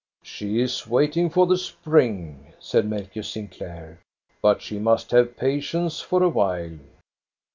She is waiting for the spring," said Melchior Sinclair, " but she must have patience for a while."